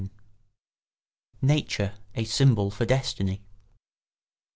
[Sidenote: Nature a symbol for destiny.